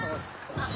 あっ。